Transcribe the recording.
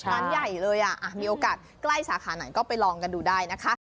ร้านใหญ่เลยมีโอกาสใกล้สาขาไหนก็ไปลองกันดูได้นะคะ